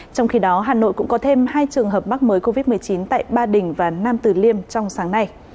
trong khi đó hà nội cũng có thêm hai trường hợp mắc mới covid một mươi chín tại ba đình và nam tử liêm trong sáng nay